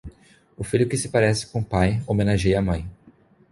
O filho que se parece com o pai homenageia a mãe.